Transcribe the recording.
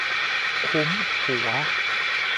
คุ้ม หัว